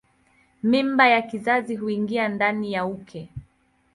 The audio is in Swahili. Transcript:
Mimba ya kizazi huingia ndani ya uke.